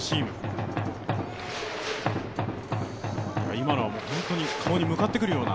今のは本当に顔に向かってくるような。